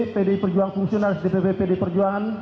pdi perjuangan fungsionalis dpp pdi perjuangan